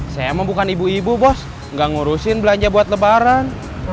saya emang bukan ibu ibu bos nggak ngurusin belanja buat lebaran